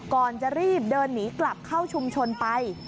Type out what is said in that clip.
ก่อนจะรีบเดินหนีกลับเข้าชุมชนไป